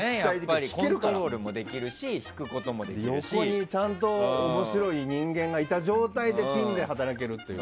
コントロールもできるし横にちゃんと面白い人間がいた状態でピンで働ける。